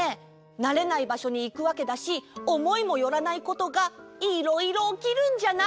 なれないばしょにいくわけだしおもいもよらないことがいろいろおきるんじゃない？